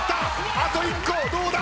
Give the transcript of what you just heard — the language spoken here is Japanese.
あと１個どうだ！？